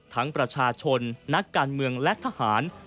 ประชาชนนักการเมืองและทหาร